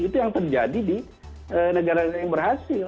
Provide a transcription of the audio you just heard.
itu yang terjadi di negara negara yang berhasil